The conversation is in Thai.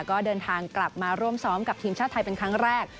ก็เดินทางกลับมาร่วมซ้อมกับทีมชาติไทยเป็นครั้งแรก